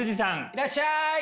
いらっしゃい！